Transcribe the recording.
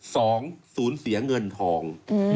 สองสูญเสียเงินทอง